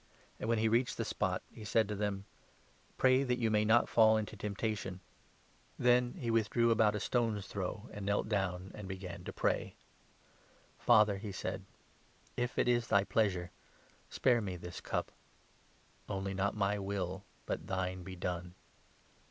And, when he reached the spot, he said 40 to them :" Pray that you may not fall into temptation." *l Isa. 53. 12. 156 LUKE, 22. Then he withdrew about a stone's throw, and knelt down and 41 began to pray. " Father," he said, " if it is thy pleasure, spare me this cup ; 42 only, not my will but thine be done."